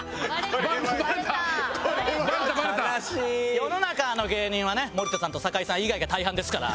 世の中の芸人はね森田さんと酒井さん以外が大半ですから。